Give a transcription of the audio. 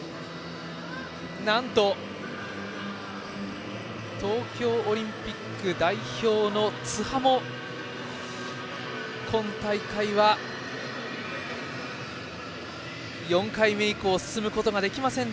なんと東京オリンピック代表の津波も今大会は、４回目以降に進むことができません。